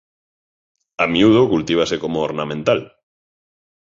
A miúdo cultívase coma ornamental.